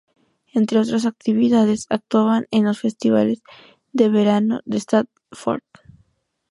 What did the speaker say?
Entre otras actividades, actuaban en los festivales de verano de Stratford.